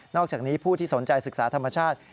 อกจากนี้ผู้ที่สนใจศึกษาธรรมชาติ